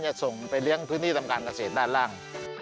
จะส่งไปเลี้ยงพื้นที่ทำการเกษตรด้านล่าง